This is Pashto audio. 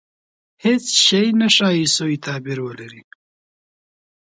• هېڅ شی نه ښایي، سوء تعبیر ولري.